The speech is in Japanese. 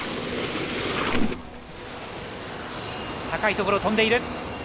高いところを飛んでいる。